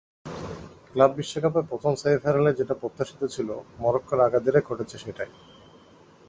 Club বিশ্বকাপের প্রথম সেমিফাইনালে যেটা প্রত্যাশিত ছিল, মরক্কোর আগাদিরে ঘটেছে সেটাই।